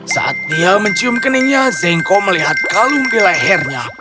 saat dia mencium keningnya zengko melihat kalung di lehernya